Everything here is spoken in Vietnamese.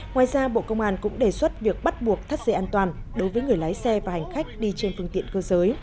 ngoài ra bộ công an cũng đề xuất việc bắt buộc thắt dây an toàn đối với người lái xe và hành khách đi trên phương tiện cơ giới